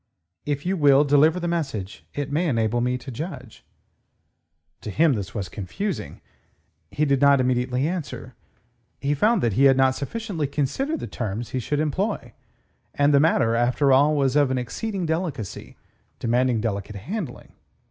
"If you will deliver the message, it may enable me to judge." To him, this was confusing. He did not immediately answer. He found that he had not sufficiently considered the terms he should employ, and the matter, after all, was of an exceeding delicacy, demanding delicate handling.